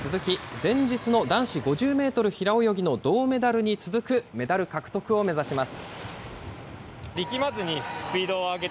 前日の男子５０メートル平泳ぎの銅メダルに続くメダル獲得を目指します。